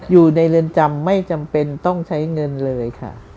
อยู่ในเรือนจำไม่จำเป็นต้องใช้เงินเลยค่ะ